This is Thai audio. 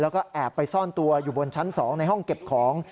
แล้วก็แอบไปซ่อนตัวอยู่บนชั้น๒ในห้องเก็บของ